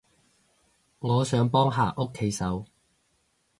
我想幫下屋企手